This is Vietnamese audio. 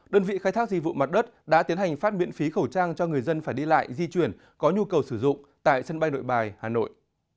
đơn vị khai thác dịch vụ mặt đất đã tiến hành phát miễn phí khẩu trang cho người dân phải đi lại di chuyển có nhu cầu sử dụng tại sân bay nội bài hà nội